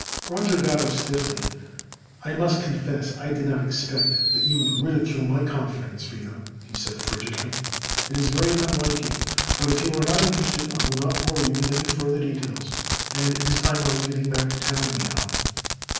Roger got up stiffly. "I must confess I did not expect that you would ridicule my confidence, Freda," he said frigidly. "It is very unlike you. But if you are not interested I will not bore you with any further details. And it is time I was getting back to town anyhow."